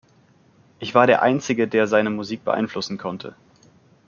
Ich war der Einzige, der seine Musik beeinflussen konnte.